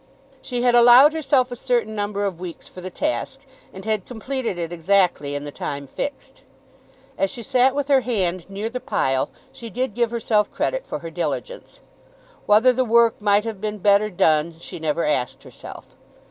She had allowed herself a certain number of weeks for the task, and had completed it exactly in the time fixed. As she sat with her hand near the pile, she did give herself credit for her diligence. Whether the work might have been better done she never asked herself.